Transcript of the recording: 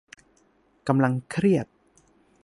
กำลังเครียด